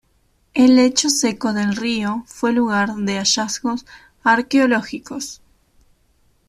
El lecho seco del río fue lugar de hallazgos arqueológicos.